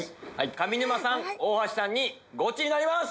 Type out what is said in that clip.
上沼さん大橋さんにゴチになります！